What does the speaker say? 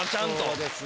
そうですね。